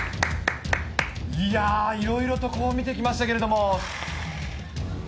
いやー、いろいろとこう見てきましたけれども。